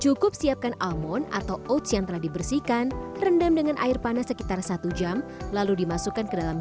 cukup siapkan almond atau oats yang telah dibersihkan rendam dengan air panas sekitar satu jam lalu dimasukkan ke dalam